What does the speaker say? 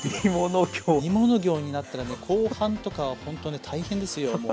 煮物行になったらね後半とかほんとね大変ですよ。